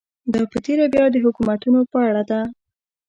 دا په تېره بیا د حکومتونو په اړه ده.